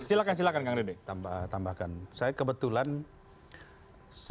silahkan kang rene